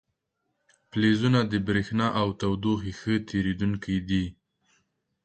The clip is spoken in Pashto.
فلزونه د برېښنا او تودوخې ښه تیروونکي دي.